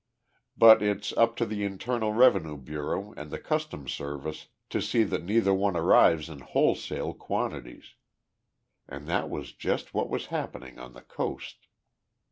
But it's up to the Internal Revenue Bureau and the Customs Service to see that neither one arrives in wholesale quantities. And that was just what was happening on the Coast.